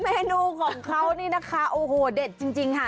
เมนูของเขานี่นะคะโอ้โหเด็ดจริงค่ะ